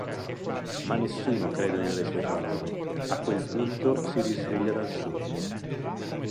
Ma nessuno crede nelle sue parole, a quel punto si risveglia dal sogno...